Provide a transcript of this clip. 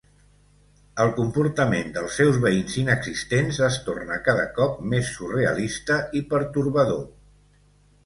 El comportament dels seus veïns "inexistents" es torna cada cop més surrealista i pertorbador.